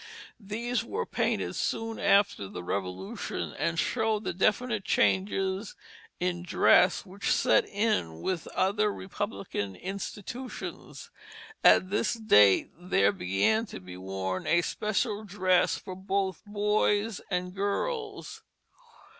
These were painted soon after the Revolution, and show the definite changes in dress which set in with other Republican institutions. At this date there began to be worn a special dress for both boys and girls.